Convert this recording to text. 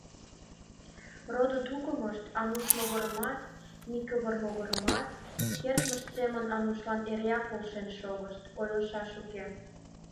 Родо-тукымышт, Ануш могырымат, Микывыр могырымат, кертмышт семын Анушлан эреак полшен шогышт, ойлышаш уке.